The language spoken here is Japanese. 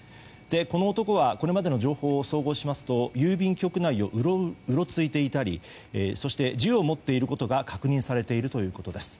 この男はこれまでの情報を総合しますと郵便局内をうろついていたりそして、銃を持っていることが確認されているということです。